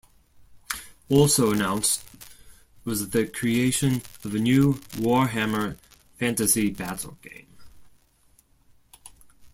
Also announced was the creation of a new "Warhammer Fantasy Battle" game.